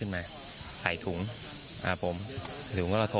โป่งแร่ตำบลพฤศจิตภัณฑ์